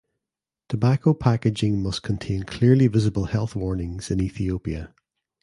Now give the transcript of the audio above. Tobacco packaging must contain clearly visible health warnings in Ethiopia.